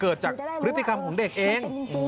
เกิดจากพฤติกรรมของเด็กเอง